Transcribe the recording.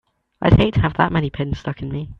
I'd hate to have that many pins stuck in me!